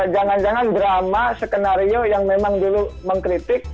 jangan jangan drama skenario yang memang dulu mengkritik